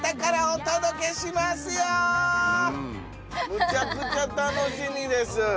めちゃくちゃ楽しみです。